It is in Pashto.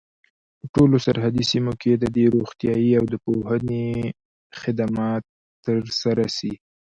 په ټولو سرحدي سیمو کي دي روغتیايي او د پوهني خدمات تر سره سي.